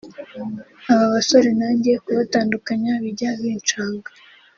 aba basore nanjye kubatandukanya bijya bincanga